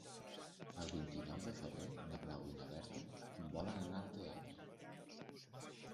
El vint-i-nou de febrer na Blau i na Berta volen anar al teatre.